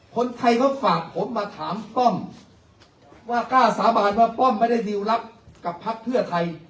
คนไทยเขาฝากผมมาถามป้อมว่ากล้าสาบานว่าป้อมไม่ได้ดิวรับกับพักเพื่อไทย